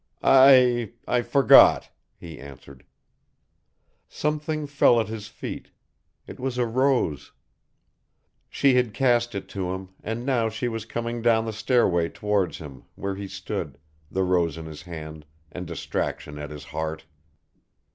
"I I forgot," he answered. Something fell at his feet, it was a rose. She had cast it to him and now she was coming down the stairway towards him, where he stood, the rose in his hand and distraction at his heart.